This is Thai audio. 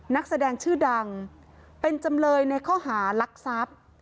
นักแสดงชื่อดังเป็นจำเลยในข้อหารักทรัพย์